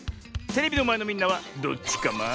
テレビのまえのみんなはどっちカマ？